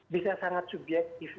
bisa sangat subjektif